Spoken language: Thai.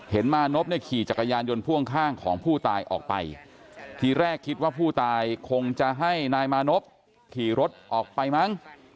มานพเนี่ยขี่จักรยานยนต์พ่วงข้างของผู้ตายออกไปทีแรกคิดว่าผู้ตายคงจะให้นายมานพขี่รถออกไปมั้ง